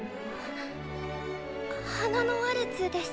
「花のワルツ」です。